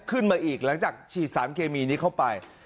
ขึ้นมาอีกหลังจากฉีดสารเคมีนี้เข้าไป